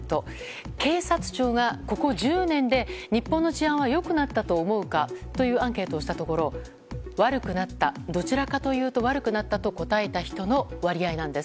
警察庁が、ここ１０年で日本の治安は良くなったと思うか？というアンケートをしたところ悪くなったどちらかというと悪くなったと答えた人の割合なんです。